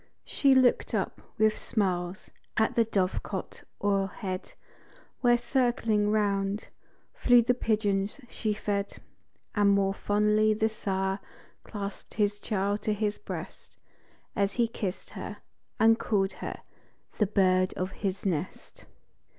She looked up, with smiles, at a dovecot o'er head â Where, circling around, flew the pigeons she fed, And more fondly the sire clasp'd his child to his breast â As he kiss'd her â and called her the bird of his nest.